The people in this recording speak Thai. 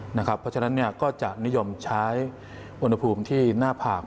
เพราะฉะนั้นก็จะนิยมใช้อุณหภูมิที่หน้าผาก